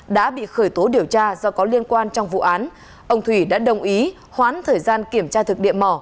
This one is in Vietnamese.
đã bị khởi tố điều tra do có liên quan trong vụ án ông thủy đã đồng ý hoãn thời gian kiểm tra thực địa mỏ